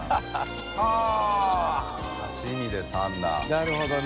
なるほどね。